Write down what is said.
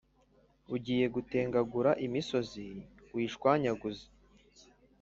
ugiye gutengagura imisozi, uyishwanyaguze,